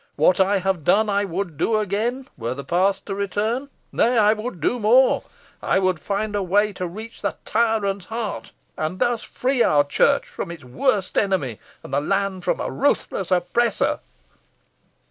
What I have done I would do again, were the past to return nay, I would do more I would find a way to reach the tyrant's heart, and thus free our church from its worst enemy, and the land from a ruthless oppressor."